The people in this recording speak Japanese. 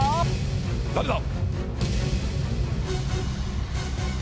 誰だ？